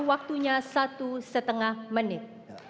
waktunya satu lima menit